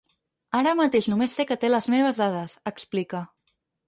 Ara mateix només sé que té les meves dades, explica.